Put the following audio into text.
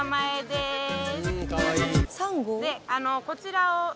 こちらを。